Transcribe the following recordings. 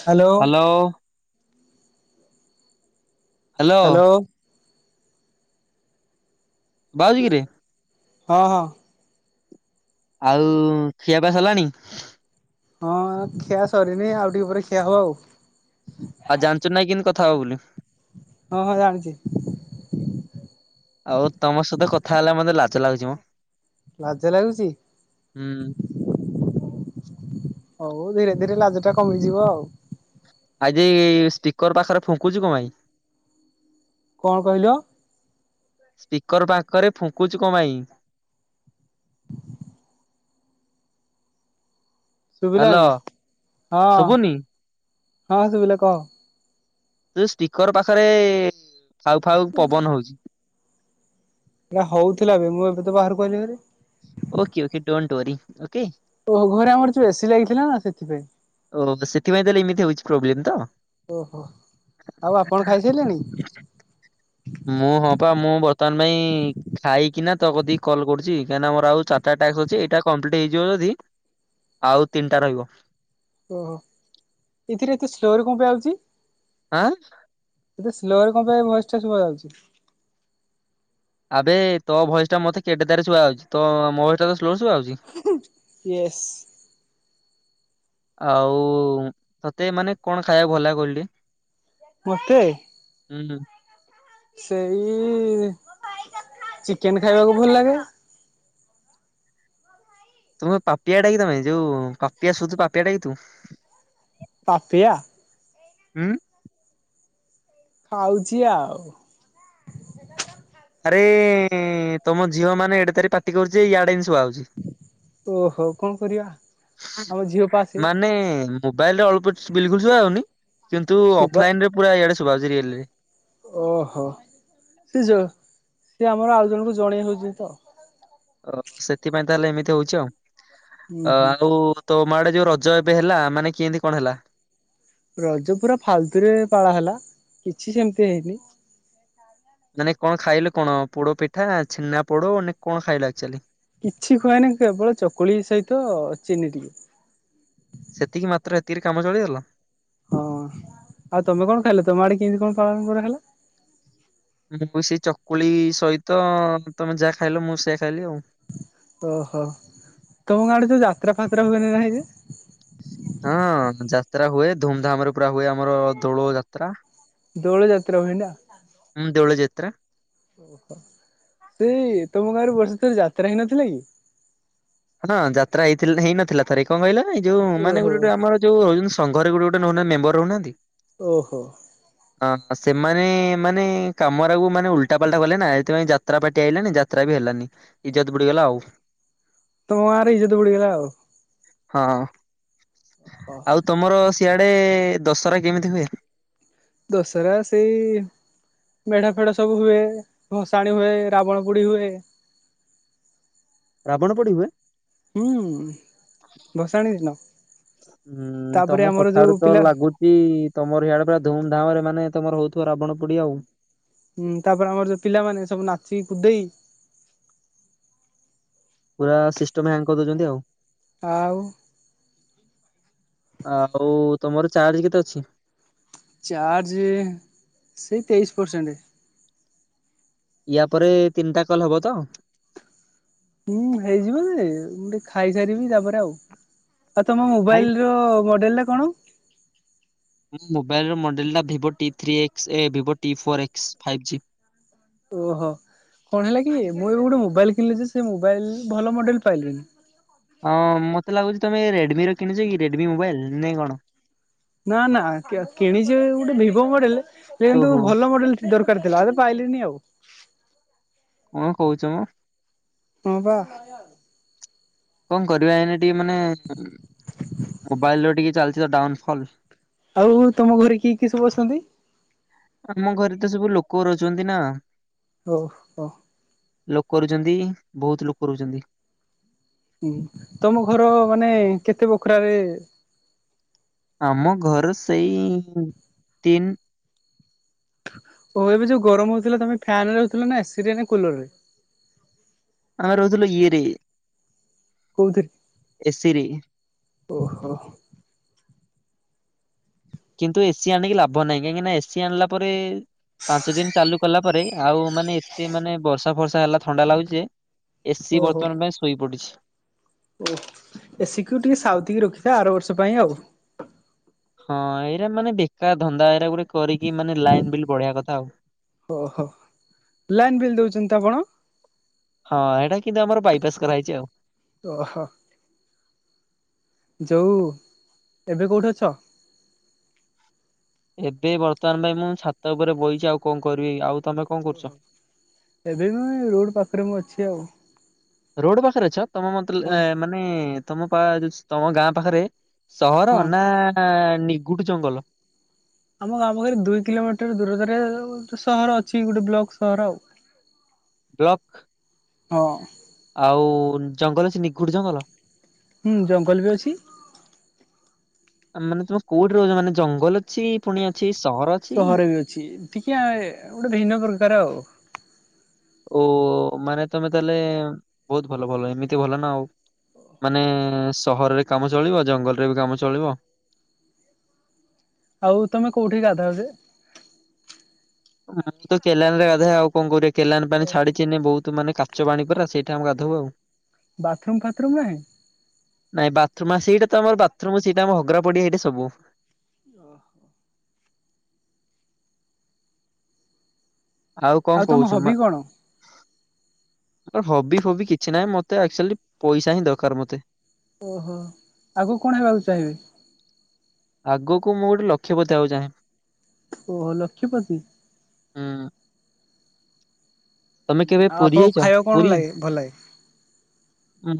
Hello hello. Hello. ବାଇଗରେ। ହଁ ହଁ। ଆଉ ଖିଆ ପିଆ ସଲାଣି? ହଁ ଖିଆ ସରିନି ଆଉ ଟିକେ ପରେ ଖିଆ ହବ ଆଉ। ଆଉ ଜାଣିଚୁ ନାଇଁ କେମିତି କଥା ହବ ବୋଲି? ହଁ ହଁ ଜାଣିଚି। ଆଉ ତମ ସହିତ କଥା ହେଲେ ମତେ ଲାଜ ଲାଗୁଚି ମ। ଲାଜ ଲାଗୁଚି? ହୁଁ। ହଉ ଧୀରେ ଧୀରେ ଲାଜ ଟା କମିଯିବ ଆଉ। ଆଜି ସ୍ପିକର ପାଖରେ ଫୁଙ୍କୁଚୁ କଣ ପାଇଁ? କଣ କହିଲ? ସ୍ପିକର ପାଖରେ ଫୁଙ୍କୁଚୁ କ ପାଇଁ? ହ୍ୟାଲୋ ଶୁଭିଲାଣି ହଁ ଶୁଭୁନି? ହଁ ଶୁଭିଲା କହ। ଯୋ ସ୍ପିକର ପାଖରେ ଫାଉ ଫାଉ ପବନ ହଉଚି। ନା ହଉଥିଲାବେ ମୁଁ ଏବେ ତ ବାହାରକୁ ଆଇଲି ହାରି। Okay okay don't worry okay. ଓୋ ଘରେ ଆମର ଯଉ ଏଶୀ ଲାଗିଥିଲା ନା ସେଥିପାଇଁ। ଓ ସେଥିପାଇଁ ତାହେଲେ ଏମିତି ହଉଛି ପ୍ରୋବ୍ଲେମ ତ। ଓହୋ ଆଉ ଆପଣ ଖାଇସାଇଲେଣି। ମୁଁ ହଁ ପା ମୁଁ ବର୍ତ୍ତମାନ ପାଇଁ ଖାଇକିନା ତ କତିକି କଲ୍ କରୁଛି କାହିଁକନା ମୋର ଆଉ ଚାଟା ଟାସ୍କ ଅଛି ଏଇଟା କମ୍ପ୍ଲିଟ ହେଯିବ ଯଦି ଆଉ ତିନିଟା ରହିବ। ଓହୋ ଏଥିରେ ଏତେ ସ୍ଲୋରେ କଣ ପାଇଁ ଆଉଛି। ଆଁ। ଏଦେ ସ୍ଲୋ ରେ କଣ ପାଇଁ ଭଏସ ଟା ଶୁଭା ଯାଉଛି। ଆବେ ତୋ ଭଏସ ଟା ମତେ କେଡେ ଦାର ଶୁଆ ହଉଛି ତ ମୋ ଏ ଟା ତ ସ୍ଲୋ ଶୁଭା ହଉଛି। ୟେଶ। ଆଉ ତତେ ମାନେ କଣ ଖାଇବାକୁ ଭଲ ଲଗେ କହିଲୁ ଟି? ପଥେ। ହୁଁ। ସେଇ ଚିକେନ ଖାଇବାକୁ ଭଲ ଲାଗେ। ତମେ ପାପିଆ ଡା କି ତମେ ଯୋଉ ପାପିଆ ଶୁଧୁ ପାପିଆ ଡାକି ତୁ। ପପିଆ। ହୁଁ। ଖାଉଛି ଆଉ। ଆରେ ତମ ଝିଅ ମାନେ ଏଡେ ତାରିଖ ପାଟି କରୁଛିଇଆଡେ ବି ଶୁଭା ହଉଛି। ଓହୋ କଣ କରିବା। ଆମ ଝିଅ ପା ସେ ମାନେ ମୋବାଇଲରେ ଅଳ୍ପ ବିଲକୁଲ ଶୁଆ ହଉନି। କିନ୍ତୁ ଶୁଭା ଅଫଲାଇନ ରେ ପୁରା ଇଆଡେ ଶୁଭାଭଛି ରିଲ ରେ। ଓହୋ ସି ଯ ସି ଆମର ଆଉ ଜଣଙ୍କୁ ଜଣେଇ ହଉଛନ୍ତି ତ। ଅ ସେଥିପାଇଁ ତାହେଲେ ଏମିତି ହଉଛି ହୁଁ ଆଉ ହୁଁ ଆଉ ତୋ ମା ଆଡେ ଯୋଉ ରଜ ଏବେ ହେଲା ମାନେ କେମିତି କଣ ହେଲା? ରଜ ପୁରା ଫାଲତୁରେ ପାଳା ହେଲା କିଛି ସେମିତି ହେଇନି। ମାନେ କଣ ଖାଇଲୁ କଣ ପୋଡ ପିଠା ଛେନା ପୋଡେ କଣ ଖାଇଲୁ ଆକ୍ଚୁଆଲି କିଛି ଖୁଏନି କେବଳ ଚକୁଳି ସହିତ ଚିନି ଟିକେ ସେତିକି ମାତ୍ର ଏତିକିରେ କାମ ଚଳିଗଲ ହଁ ଆଉ ତମେ କଣ ଖାଇଲେ ତମ ଆଡେ କେମିତି କଣ ପାଳନ କରା ହେଲା ମୁଁ ବି ସେଇ ଚକୁଳି ସହିତ ତମେ ଯାହା ଖାଇଲ ମୁଁ ସେଆ ଖାଇଲି ଆଉ ଓହୋ ତମ ଗାଁ ଆଡେ ଯୋଉ ଯାତ୍ରା ଫାତ୍ରା ହୁଏନି ନାଇଁ ଯେ ହଁ ଯାତ୍ରା ହୁଏ ଧୁମଧାମ ରେ ପୁରା ହୁଏ ଆମର ଦୋଳ ଯାତ୍ରା ଦୋଳ ଯାତ୍ରା ହୁଏନା ହଁ ଦେଉଳ ଯାତ୍ରା ଓହୋ ସେଇ ତମ ଗାଁରେ ବର୍ଷେ ଥରେ ଯାତ୍ରା ହେଇନଥିଲା କି ହଁ ଯାତ୍ରା ହେଇ ହେଇନଥିଲା ଥରେ କଣ କହିଲ ଏ ଯୋଉ ମାନେ ଓହୋ ଗୋଟେ ଗୋଟେ ଆମର ଯୋ ଏଇନୁ ସଂଘରେ ଗୋଟ ଗଟେ ନ ମେବର ରହୁନାହାନ୍ତି ଓହୋ [inaudible] ହଁ ସେମାନେ ମାନେ କାମ ଆକୁ ମାନେ ଉଲଟା ପାଲଟା କଲେ ନା ସେଥିପାଇଁ ଯାତ୍ରା ପାଟି ଆଇଲାନି ଯାତ୍ରା ବି ହେଲାନି ଇଜତ ପୁଡିଗଲା ଆଉ ତମ ଗାଁ ରେ ଇଜ୍ଜତ ପଡିଗଲା ଆଉ ହଁ ଓ ଆଉ ତମର ସିଆଡେ ଦଶହରା କେମିତି ହୁଏ ଦସହରା ସେଇ ମେଢା ଫେଢ ସବୁ ହୁଏ ଭସାଣି ହୁଏ ରାବଣ ପୁଡି ହୁଏ ରାବଣ ପଡି ହୁଏ ହ ଭସାଣି ଦିନ ହୁଁ ତାପରେ ତମ ଆମର ଯୋଉ କଥାରୁ ତ ପିଲା ଲାଗୁଛି କି ତମର ଇଆଡ଼େ ପୁରା ଧୁମ ଧାମ ରେ ମାନେ ତମର ହଉ ଥିବ ରାବଣ ପୋଡି଼ ଆଉ ହୁଁ ତାପରେ ଆମର ଯୋଉ ପିଲାମାନେ ସବୁ ନାଚି କୁଦେଇ ପୁରା ସିଷ୍ଟମ ହ୍ୟାଙ୍ଗ କରିଦଉଛନ୍ତି ଆଉ ଆଉ ଆଉ ତମର ଚାର୍ଜ କେତେ ଅଛି ଚାର୍ଜ ସେଇ ତେଇଶି ପରସେଣ୍ଟ ୟା ପରେ ତିନିଟା କଲ ହବ ତ ହୁଁ ହେଇଯିବ ଯେ ମୁଁ ଟିକେ ଖାଇସାରିବି ତାପରେ ଆଉ ଆଉ ତମ ଭାଇ ମୋବାଇଲ ର ମଡେଲ ଟା କଣ ମୋ ମୋବାଇଲ ର ମଡେଲା ଟା ଭିଭୋ ଟି ଥ୍ରୀ ଏକ୍ସ ଏ Vivo T four X five G ଓହୋ କଣ ହେଲା କି ମୁଁ ଏବେ ଗୋଟେ ମୋବାଇଲ କିଣିଲି ଯେ ସେ ମୋବାଇଲ ଭଲ ମଡେଲ ପାଇଲିନି ହଁ ମତେ ଲାଗୁଛି ତମେ ରେଡମି ର କିଣିଛ କି ରେଡମି ମୋବାଇଲ ନାଇଁ କଣ ନା ନା କିଣିଛେ ଗୋଟେ ଭିବୋ ମଡେଲ କିନ୍ତୁ ଓହୋ ଭଲ ମଡେଲ ଦରକାର ଥିଲା ଆବେ ପାଇଲିନି ଆଉ କଣ କହୁଛ ମ ହଁ ପା [inaudible] କଣ କରିବା ଏନି ଟିକେ ମାନେ ମୋବାଇଲରେ ଟିକେ ଚାଲିଛି ତ ଡାଉନ ଫଲ୍ ଆଉ ତମ ଘରେ କିଏ କିଏ ସବୁ ଅଛନ୍ତି ଆମ ଘରେ ତ ସବୁ ଲୋକ ରହୁଛନ୍ତି ନା ଓହୋ ଲୋକ ରୁଛନ୍ତି ବହୁତ ଲୋକ ରହୁଛନ୍ତି ହୁଁ ତମ ଘର ମାନେ କେତେ ବଖରାରେ। ଆମ ଘର ସେଇ ତିନ। ଓ ଏବେ ଯୋଉ ଗରମ ହଉଥିଲା ତମେ ଫ୍ୟାନ ରେ ରହୁଥିଲା ନା ଏସି ରେ ନା କୁଲର ରେ? ଆମେ ରହୁଥିଲୁ ଇଏରେ। କଉଥିରେ ଏସିି ରେ ଓହୋ। କିନ୍ତୁ ଏସି ଆଣିକି ଲାଭ ନାହିଁ କାହିଁକି ନା ଏସି ଆଣିଲା ପରେ ପାଞ୍ଚ ଦିନ ଚାଲୁ କଲା ପରେ। ଆଉ ମାନେ ଏତେ ମାନେ ବର୍ଷା ଫର୍ଷା ହେଲା ଥଣ୍ଡା ଲାଗୁଛି ଯେ ଏସିି ବର୍ତ୍ତମାନ ପାଇଁ ଶୋଇ ପଡି଼ଛି। ଓହ ଏସି କୁ ଟିକେ ସାଉତିକି ରଖିଥା ଆର ବର୍ଷ ପାଇଁ ଆଉ। ହଁ ଏଇଟା ମାନେ ବେକାର ଧନ୍ଦା ଏଇଟା ଗୋଟେ କରିକି ମାନେ ଲାଇନ ବିଲ୍ ବଡେଇବା କଥା ଆଉ। ଓହୋ ଲାଇନ୍ ବିଲ୍ ଦଉଛନ୍ତି ତ ଆପଣ? ହଁ ଏଇଟା କିନ୍ତୁ ଆମର ବାଇପାସ କରାହେଇଛି ଆଉ। ଓହୋ। ଯୋଉ ଏବେ କଉଠି ଅଛ? ଏବେ ବର୍ତ୍ତମାନ ପାଇଁ ମୁଁ ଛାତ ଉପରେ ବଇଛି ଆଉ କଣ କରିବି ଆଉ ତମେ। କଣ କରୁଛ? ଓହୋ ଏବେ ମୁ ରୋଡ଼ ପାଖରେ ମୁଁ ଅଛି ଆଉ। ରୋଡ ପାଖରେ ଅଛ ତମ ମତ ହଁ ମାନେ ତମ ପା ତମ ଗାଁ ପାଖରେ। ସହର ହଁ। ନା ନିଗୁଟ ଜଙ୍ଗଲ? ଆମ ଗାଁ ପାଖରେ ଦୁଇ କିଲୋମିଟର ଦୂରତାରେ ସହର ଅଛି ଗୋଟେ ବ୍ଲକ ସହର ଆଉ। ବ୍ଲକ୍। ହଁ। ଆଉ ଜଙ୍ଗଲ ସେ ନିଘୁଟ ଜଙ୍ଗଲ? ହୁଁ ଜଙ୍ଗଲ ବି ଅଛି। ମାନେ ତମେ କୋଉଠି ରହୁଛ ମାନେ ଜଙ୍ଗଲ ଅଛି ପୁଣି ଅ ଛି ସହର। ଅଛି ସହର ବି ଅଛି ଟିକେ ଗୋଟେ ଭିନ୍ନ ପ୍ରକାର ଆଉ। ଓ ମାନେ ତମେ ତାହେଲେ ବହୁତ ଭଲ ଭଲ ଏମିତି ଭଲ ନା ଆଉ। ମାନେ ସହରରେ କାମ ଚଳିବ ଜଙ୍ଗଲରେ ବି କାମ ଚଳିବ। ଆଉ ତମେ କୋଉଠି ଗାଧାଅ ଯେ? ମୁଁ ତ କେଲାନରେ ଗାଧେ ଆଉ କଣ କରିବା କେଲାନ ପାଣି ଛାଡିଚି ବହୁତ ମାନେ କା ଚ ପାଣି ପୁରା ସେଇଟା ଆମେ ଗାଧୋଉ ଆଉ। ବାଥରୁମ୍ ଫାଥରୁମ୍ ନାହିଁ? ନାଇଁ ବାଥରୁମ୍ ସେଇଟା ତ ଆମ ବାଥରୁମ ସେଇଟା ଆମର ହଗରା ପଡିଆ ସେଇଟା ସବୁ। ଓହୋ। ଆଉ କଣ ତମ କହୁଛୁ ହବି ମା କଣ? ମୋର ହବି ଫବି କିଛି ନାହିଁ ମତେ ଆକ୍ଚୁଆଲି ପଇସା ହିଁ ଦରକାର ମତେ। ଓହୋ ଆଗକୁ କଣ ହେବାକୁ ଚାହିଁବେ? ଆଗକୁ ମୁଁ ଗୋଟେ ଲକ୍ଷ୍ୟ ପତି ହେବାକୁ ଚାହେଁ। ଓହୋ ଲକ୍ଷପତି। ହଁ। ତମେ କେବେ ଆଉ ପୁରୀ ଆପଣଙ୍କୁ ଯାଇଛ ଖାଇବାକୁ କଣ ପୁରୀ? ଲାଗେ ଭଲ ଲାଗେ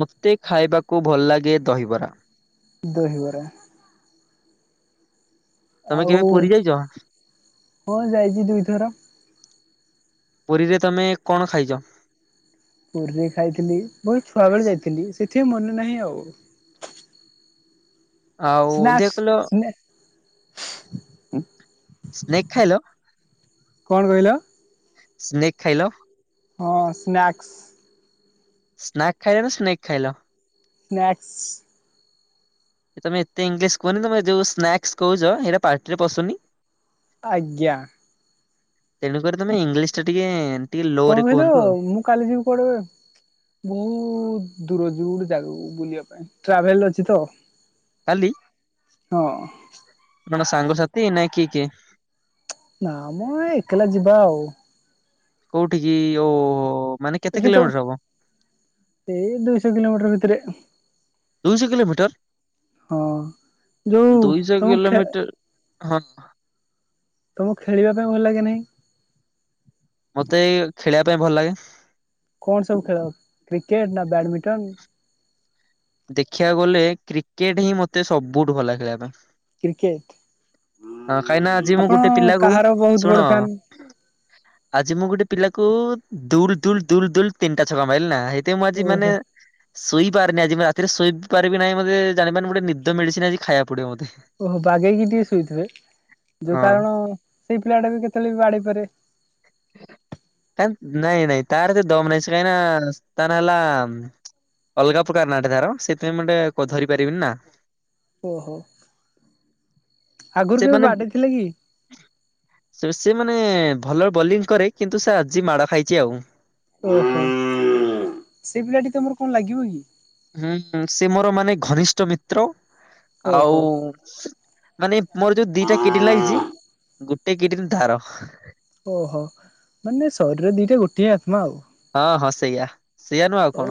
ମତେ ଖାଇବାକୁ ଭଲ ଲାଗେ ଦହିବରା। ଦହି ବରା। ତମେ ଆଉ କେବେ ପୁରୀ ଯାଇଛ ହଁ ଯାଇଛି ଦୁଇଥର। ପୁରୀରେ ତମେ କଣ ଖାଇଛ? ପୁରୀରେ ଖାଇଥିଲି ବହୁତ ଛୁଆ ବେଳେ ଯାଇଥିଲି ସେଥିପାଇଁ ମନେ ନାହିଁ ଆଉ। ଆଉ ଦେଖିଆ କହିଲ ସ୍ନାକ୍ସ [unintelligible] ସ୍ନେକ୍ ଖାଇଲ କଣ କହିଲ? ସ୍ନେକ୍ ଖାଇଲ? ହଁ ସ୍ନାକ୍ସ। ସ୍ନାକ୍ ଖାଇଲ ନା ସ୍ନେକ୍ ଖାଇଲ? ସ୍ନାକ୍ସ। ତମେ ଏତେ ଇଂଲିଶ କୁହନି ତମେ ଯୋଉ ସ୍ନାକ୍ସ କହୁଛ ହେଇଟା ପାଟିରେ ପଶୁନି। ଆଜ୍ଞା। ତେଣୁକରି ତମେ ଇଂଲିଶ ଟା ଟିକେ ଟିକେ ଲୋ କଣ ରେ କହିଲୁ କୁହନ୍ତୁ ଆଉ ମୁଁ କାଲି ଯିବି କୁଆଡେ ବହୁତ ଦୂର ଯିବୁ ଜାଗାକୁ ବୁଲିବା ପାଇଁ ଟ୍ରାଭେଲ ଅଛି ତ। କାଲି? ହଁ। କଣ ସାଙ୍ଗସାଥି ନା କିଏ କିଏ? ନା ମୋ ଏ ଏକଲା ଯିବା ଆଉ। କୋଉଠିି କି ଓହୋ ମାନେ [unintelligible] କେତେ କିଲୋମିଟର ହବ? ସେଇ ଦୁଇଶହ କିଲୋମିଟର ଭିତରେ। ଦୁଇଶହ କିିଲୋମିଟର! ହଁ ଯୋଉ ଦୁଇଶହ ତମକୁ ଖେ କିିଲୋମିଟର ହଁ। ତମକୁ ଖେଳିବା ପାଇଁ ଭଲ ଲାଗେନି? ମତେ ଏଇ ଖେଳିବା ପାଇଁ ଭଲ ଲାଗେ। କଣ ସବୁ ଖେଳ କ୍ରିକେଟ ନା ବ୍ୟାଡମିଣ୍ଟନ? ଦେଖିବାକୁ ଗଲେ କ୍ରିକେଟ ହିଁ ମତେ ସବୁଠୁ ଭଲ ଲାଗେ ଖେଳିବା ପାଇଁ। କ୍ରିକେଟ ହଁ କାହିଁକି ଆଜି ମୁଁ ଆପଣ ଗୋଟେ ପିଲାକୁ କାହାର ବହୁତ ଶୁଣ ବଡ ଫ୍ୟାନ୍ ଆଜି ମୁଁ ଗୋଟେ ପିଲାକୁ ଦୁଲ ଦୁଲ ଦୁଲ ଦୁଲ ତିନିଟା ଛକା ମାଇଲି ନା। ଏତେ ମୁଁ ଆଜି ମାନେ ଓହୋ ଶୋଇ ପାରୁନି ଆଜି ବା। ରାତିରେ ଶୋଇ ପାରିବି ନାହିଁ ମତେ ଜାଣି ପାରୁନାହିଁ ଗୋଟେ ନିଦ ମେଡିସିନ ଆଜି ଖାଇବା ପଡିବ ମତେ। ଓହୋ ବାଗେଇକି ଟିକେ ଶୋଇଥିବେ ଯୋଉ ହଁ କାରଣ ସେଇ ପିଲାଟା ବି କେତେବେଳେ ବି ବାଡେଇପାରେ। ହାକ ନାଇଁ ନାଇଁ ତାର ଏତେ ଦମନାହିଁ, ସେ କାହିଁ କି ନା ତା ନା ହେଲା ଅଲଗା ପ୍ରକାର ନା ଟା ତାର ସେଥିପାଇଁ ମୁଁ ଟିକେ ଧରି ପାରିବିନି ନା। ଓହୋ ଆଗରୁ କେବେ ବାଡେଇଥିଲେ କି? ସୁସି ମାନେ ଭଲ ବୋଲିଂ କରେ କିନ୍ତୁ ସେ ଆଜି ମାଡ ଖାଇଛି ଆଉ। ଓହୋ ସେ ପିଲାଟି ତମର କଣ ଲାଗିବ କି? ହୁଁ ହୁଁ ସେ ମୋର ମାନେ ଘନିଷ୍ଠ ମିତ୍ର ଆଉ ଓହୋ। ମାନେ ମୋର ଯୋଉ ଦିଟା କିଡିନ ଲାଗିଛି ଗୋଟେ କିଡିନ ତାର। ଓହୋ ମାନେ ଶରୀର ଦିଟା ଗୋଟିଏ ଆତ୍ମା ଆଉ। ହଁ ହଁ ସେଇଆ। ସେଇଆ ନୁହଁ ଆଉ କଣ ହଉ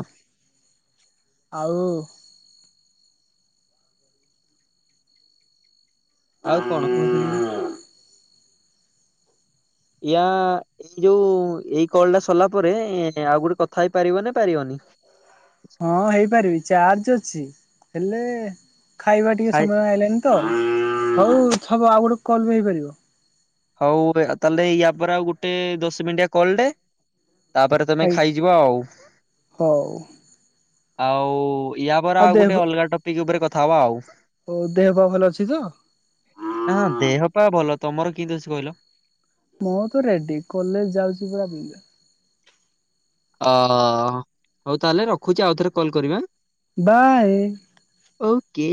ଆଉ। ଆଉ କଣ? ହଁ ୟା ଏଇ ଯୋଉ ଏଇ କଲ ଟା ସରିଲା ପରେ ଆଉ ଗୋଟେ କଥା ହେଇପାରିବ ନା ପାରିବନି? ହଁ ହେଇପାରିବି ଚାର୍ଜ ଅଛି ହେଲେ ଖାଇବା ଟିକେ ଖାଇ ସମୟ ଆଇଲାଣି। ତ ହଉ ଥବ ଆଉ ଗୋଟେ କଲ ବି ନେଇପାରିବ। ହଉ ତାହେଲେ ୟା ପରେ ଆଉ ଗୁଟେ ଦଶ ମିନିଟିଆ କଲ୍ ଟେ। ତାପରେ ତମେ ଆଇ ଖାଇଯିବ ଆଉ। ହଉ ଆଉ ୟା ପରେ ଆଉ ଗୋଟେ ଅଲଗା ଟପିକ୍ ଉପରେ କଥା ହବା ଆଉ। ହଉ ଦେହ ପା ଭଲ ଅଛି ତ? ହ ହଁ ଦେହ ପା ଭଲ ଭଲ, ତମର କିନ୍ତି ଅଛି କହିଲ? ମୁଁ ତ ରେଡି କଲେଜ ଯାଉଛି ପୁରା ବିନ୍ଦା ଅ ହ ହଉ ତାହେଲେ ରଖୁଛି ଆଉ ଥରେ କଲ୍ କରିମି ଆଁ? ବାଏ। ଓକେ।